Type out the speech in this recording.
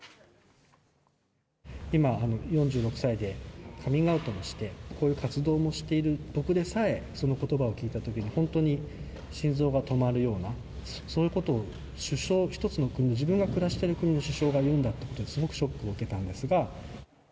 今４６歳で、カミングアウトもしてこういう活動もしている僕でさえ、そのことばを聞いたときに、本当に心臓が止まるような、そういうことを首相、一つの国、自分が暮らしている国の首相が言うんだということにすごくショックを受けたんですが。